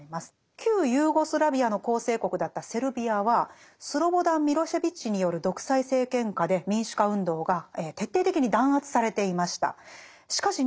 旧ユーゴスラビアの構成国だったセルビアはスロボダン・ミロシェヴィッチによる独裁政権下で民主化運動が徹底的に弾圧されていました。